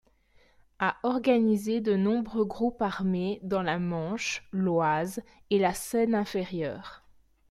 A organisé de nombreux groupes armés dans la Manche, l’Oise et la Seine-Inférieure.